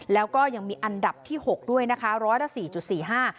แล้วก็ยังมีอันดับที่หกด้วยนะคะร้อยละสี่จุดสี่ห้า